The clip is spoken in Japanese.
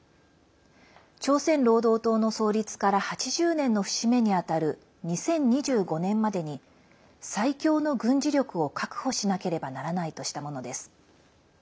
朝鮮労働党の創立から８０年の節目に当たる２０２５年までに最強の軍事力を確保しなければならないとしたものです。